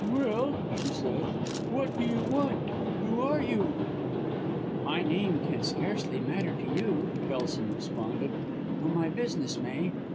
"Well!" she said, "what do you want? Who are you?" "My name can scarcely matter to you," Kelson responded, "though my business may.